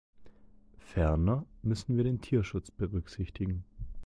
Ferner müssen wir den Tierschutz berücksichtigen.